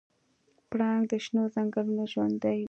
پړانګ د شنو ځنګلونو ژوندی دی.